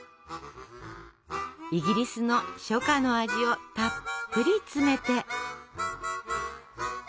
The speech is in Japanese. イギリスの初夏の味をたっぷり詰めて。